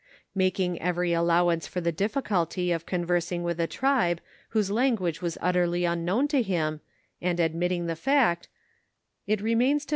Making every allowance for the difficulty of conversing with a trib« whose language was utterly unknown to him, and admitting the fact, it remains 'm SS4 KTARRATIVK OF FATHER IWtTAY.